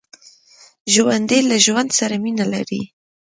ژوندي له ژوند سره مینه لري